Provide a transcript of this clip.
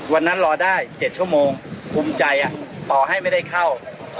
วันนั้นรอได้เจ็ดชั่วโมงภูมิใจอ่ะต่อให้ไม่ได้เข้า